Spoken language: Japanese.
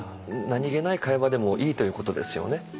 何気ない会話でもいいということですよね。